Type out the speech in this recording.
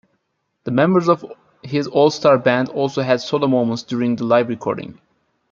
The members of his All-Starr Band also had solo moments during the live recording.